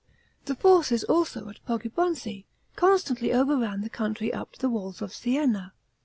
The forces also, at Poggibonzi, constantly overran the country up to the walls of Sienna.